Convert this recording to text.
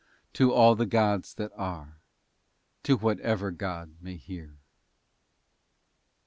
To all the gods that are. To whatever god may hear.